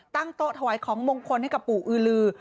โต๊ะถวายของมงคลให้กับปู่อือลือ